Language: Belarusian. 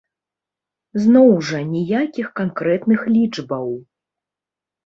Зноў жа ніякіх канкрэтных лічбаў!